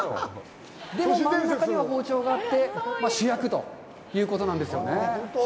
でも、真ん中には包丁があって、主役ということなんですよね。